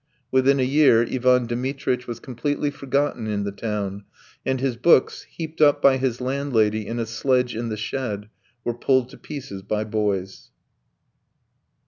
Within a year Ivan Dmitritch was completely forgotten in the town, and his books, heaped up by his landlady in a sledge in the shed, were pulled to pieces by boys.